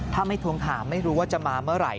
ถ้าไม่ทวงถามไม่รู้ว่าจะมาเมื่อไหร่